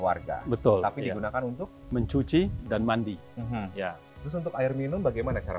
warga betul tapi digunakan untuk mencuci dan mandi ya terus untuk air minum bagaimana cara